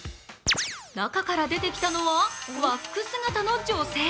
中から出てきたのは和服姿の女性。